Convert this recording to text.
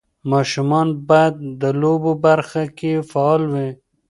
ماشوم باید د لوبو برخه کې فعال وي.